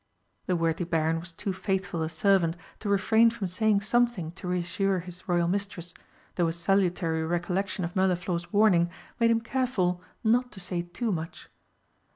The worthy Baron was too faithful a servant to refrain from saying something to reassure his Royal mistress, though a salutary recollection of Mirliflor's warning made him careful not to say too much.